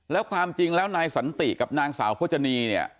แล้วความจริงแล้วนายสันติกับนางสาวโจนีเนี่ย